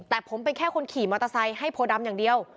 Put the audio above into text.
แต่ผมเป็นแค่คนขี่มอเตอร์ไซค์ให้โพดำอย่างเดียว